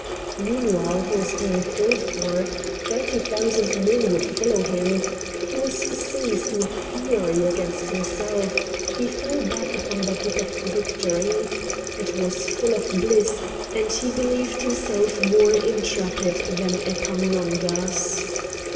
Meanwhile he was being called for; thirty thousand men would follow him; he was seized with fury against himself; he fell back upon the hope of victory; it was full of bliss, and he believed himself more intrepid than Epaminondas.